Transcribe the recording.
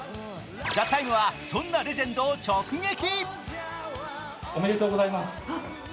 「ＴＨＥＴＩＭＥ，」はそんなレジェンドを直撃。